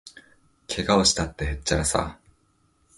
けがをしたって、へっちゃらさ